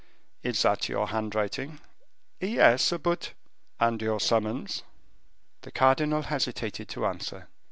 "Is that your handwriting?" "Yes, but " "And your summons?" The cardinal hesitated to answer.